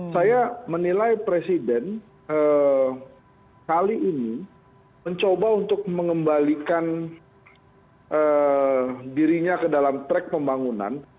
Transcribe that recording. saya menilai presiden kali ini mencoba untuk mengembalikan dirinya ke dalam track pembangunan